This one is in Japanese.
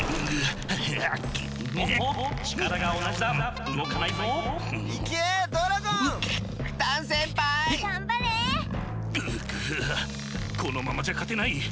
ぐぐこのままじゃかてない。